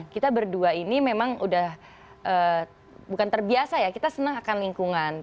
kita berdua ini memang udah bukan terbiasa ya kita senang akan lingkungan